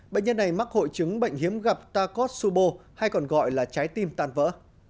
bệnh nhân này mắc hội chứng bệnh hiếm gặp tacotsubo hay còn gọi là trái tim tàn vỡ